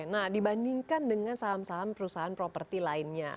nah dibandingkan dengan saham saham perusahaan properti lainnya